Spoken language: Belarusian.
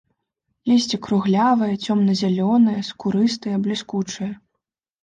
Лісце круглявае, цёмна-зялёнае, скурыстае, бліскучае.